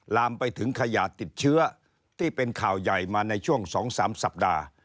ลามไปถึงขยะติดเชื้อที่เป็นข่าวใหญ่มาในช่วง๒๓สัปดาห์